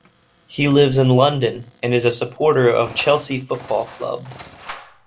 He lives in London and is a supporter of Chelsea Football Club.